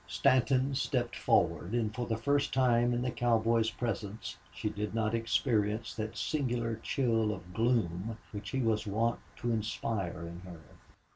Stanton stepped forward and for the first time in the cowboy's presence she did not experience that singular chill of gloom which he was wont to inspire in her.